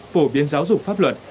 phổ biến giáo dục pháp luật